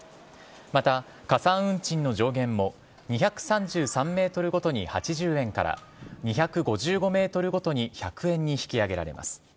また、加算運賃の上限も、２３３メートルごとに８０円から、２５５メートルごとに１００円に引き上げられます。